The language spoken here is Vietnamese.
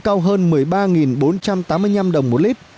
dầu hỏa tăng ba trăm hai mươi sáu đồng một lít